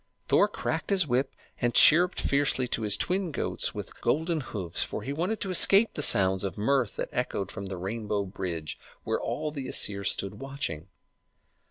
Thor cracked his whip and chirruped fiercely to his twin goats with golden hoofs, for he wanted to escape the sounds of mirth that echoed from the rainbow bridge, where all the Æsir stood watching.